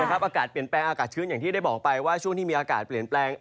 อากาศเปลี่ยนแปลงอากาศชื้นอย่างที่ได้บอกไปว่าช่วงที่มีอากาศเปลี่ยนแปลง